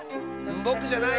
ぼくじゃないよ。